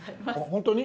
本当に？